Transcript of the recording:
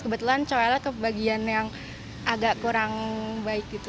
kebetulan cowelnya kebagian yang agak kurang baik gitu